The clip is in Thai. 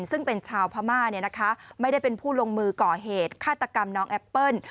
ซึ่งเป็นชาวพม่าไม่ได้เป็นผู้ลงมือก่อเหตุฆาตกรรมน้องแอปเปิ้ล